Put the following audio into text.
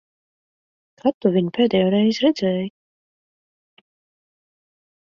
Kad tu viņu pēdējoreiz redzēji?